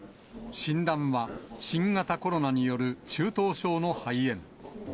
診断は、新型コロナによる中等症の肺炎。